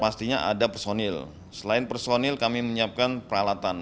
pastinya ada personil selain personil kami menyiapkan peralatan